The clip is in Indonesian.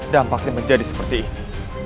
dampaknya menjadi seperti ini